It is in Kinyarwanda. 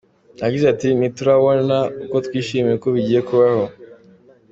Yagize ati “Ntiturabibona ariko turishimye ko bigiye kubaho.